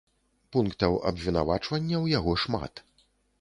Пунктаў абвінавачвання ў яго шмат.